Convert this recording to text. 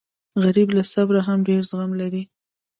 غریب له صبره هم ډېر زغم لري